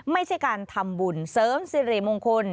ไม่ใช่การทำบุญเสริมสิริมงคล